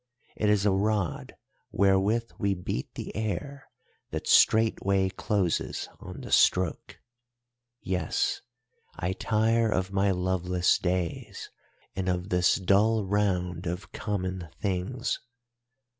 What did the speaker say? It is a rod wherewith we beat the air that straightway closes on the stroke. Yes, I tire of my loveless days and of this dull round of common things.